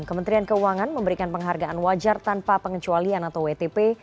kementerian keuangan memberikan penghargaan wajar tanpa pengecualian atau wtp